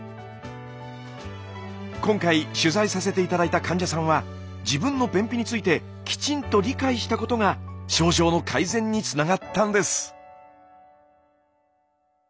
今回取材させて頂いた患者さんは自分の便秘についてきちんと理解したことが症状の改善につながったんです。